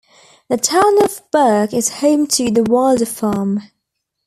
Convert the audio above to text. The town of Burke is home to the Wilder Farm.